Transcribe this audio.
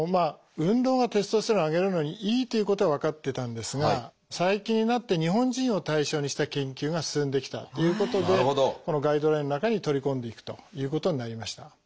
運動がテストステロンを上げるのにいいということは分かってたんですが最近になって日本人を対象にした研究が進んできたということでこのガイドラインの中に取り込んでいくということになりました。